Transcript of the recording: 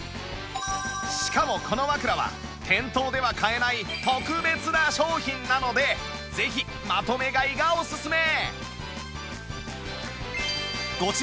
しかもこの枕は店頭では買えない特別な商品なのでぜひまとめ買いがおすすめ